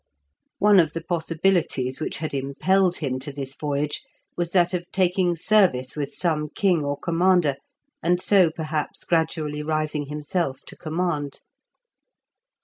One of the possibilities which had impelled him to this voyage was that of taking service with some king or commander, and so perhaps gradually rising himself to command.